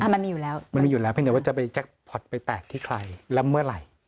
มันไม่อยู่แล้วเพียงแต่ว่าจะไปจักรพอร์ตไปแตกที่ใครแล้วเมื่อไหร่